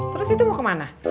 terus itu mau kemana